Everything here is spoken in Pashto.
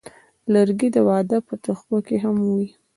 لرګی د واده په تحفو کې هم وي.